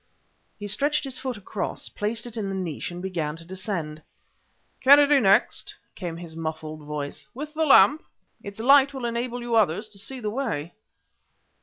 He stretched his foot across, placed it in the niche and began to descend. "Kennedy next!" came his muffled voice, "with the lamp. Its light will enable you others to see the way."